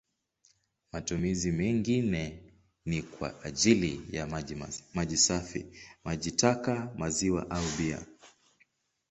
Matumizi mengine ni kwa ajili ya maji safi, maji taka, maziwa au bia.